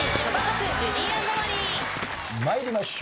参りましょう。